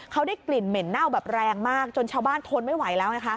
เขาได้กลิ่นเหม็นเน่าแบบแรงมากจนชาวบ้านทนไม่ไหวแล้วไงคะ